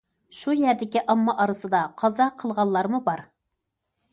شۇ يەردىكى ئامما ئارىسىدا قازا قىلغانلارمۇ بار.